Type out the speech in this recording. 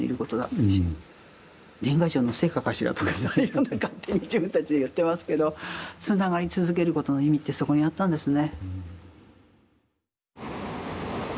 年賀状の成果かしらとかさいろんな勝手に自分たちで言ってますけどつながり続けることの意味ってそこにあったんですね。